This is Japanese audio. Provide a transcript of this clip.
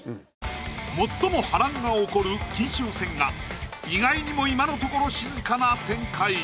最も波乱が起こる金秋戦が意外にも今の所静かな展開。